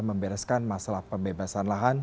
membereskan masalah pembebasan lahan